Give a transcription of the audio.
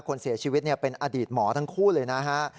คนเสียชีวิตเป็นอดีตหมอทั้งคู่เลยนะฮะ